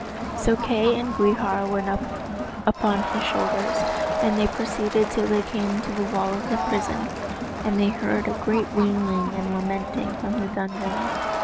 So Kay and Gwrhyr went upon his shoulders, and they proceeded till they came to the wall of the prison, and they heard a great wailing and lamenting from the dungeon.